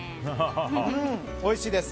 おいしいです。